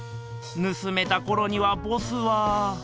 盗めたころにはボスは。